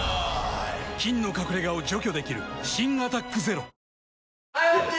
菌の隠れ家を除去できる新「アタックＺＥＲＯ」はいＯＫ